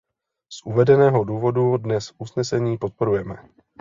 Z uvedeného důvodu dnes usnesení podporujeme.